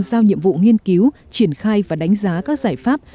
giao nhiệm vụ nghiên cứu triển khai và đánh giá các giải pháp